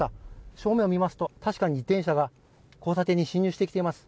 正面を見ますと確かに自転車が交差点に進入してきています。